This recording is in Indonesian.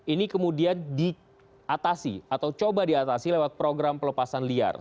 ini kemudian diatasi atau coba diatasi lewat program pelepasan liar